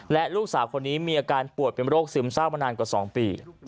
และลูกสาวคนนี้มีอาการปวดเป็นโรคซึมเศร้ามานานกว่า๒ปี